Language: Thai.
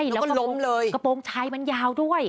แล้วก็ล้มเลยกระโปรงชัยมันยาวด้วย